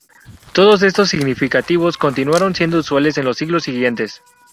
Todos estos significados continuaron siendo usuales en los siglos siguientes.